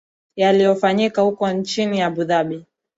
yaliofanyika huko nchini abu dhabi